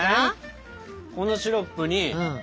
このシロップにこの。